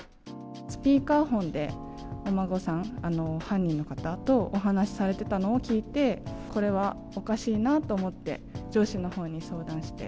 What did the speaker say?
スピーカーフォンで、お孫さん、犯人の方とお話しされてたのを聞いて、これはおかしいなと思って、上司のほうに相談して。